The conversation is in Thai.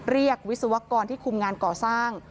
เรียกวิศวกรที่คุ้มงานก่อสร้าง